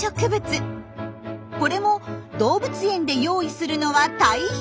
これも動物園で用意するのは大変！